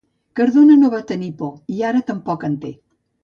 Cardona no va tenir por i ara tampoc no en té.